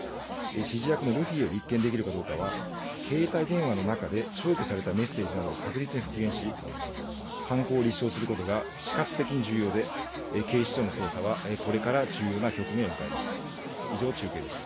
指示役のルフィを立件できるかどうかは携帯電話の中で消去されたメッセージなどを確実に復元し、犯行を立証することが死活的に重要で警視庁の捜査はこれから重要な局面を迎えます。